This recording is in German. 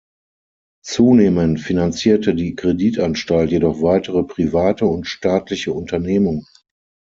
Zunehmend finanzierte die Kreditanstalt jedoch weitere private und staatliche Unternehmungen.